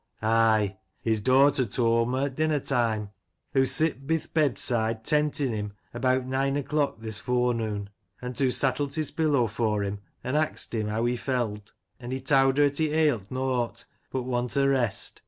"Aye. His daughter towd mo at dinner time. Hoo sit bith bedside, tentin' him, abeawt nine o'clock this forenoon. An' hoo sattle't his pillow for him, and axed him heaw he feld. An' he towd her 'at he ail't nought but want o' rest.